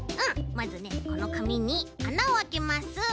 まずねこのかみにあなをあけます。